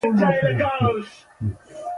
ټپي ته باید خواخوږي وښیو.